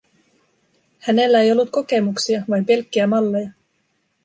Hänellä ei ollut kokemuksia, vain pelkkiä malleja.